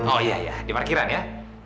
oh iya ya di parkiran ya